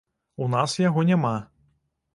У нас яго няма.